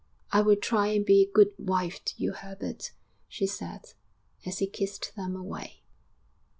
'I will try and be a good wife to you, Herbert,' she said, as he kissed them away.